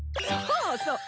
そうそう！